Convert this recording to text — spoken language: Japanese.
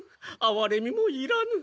あわれみもいらぬ。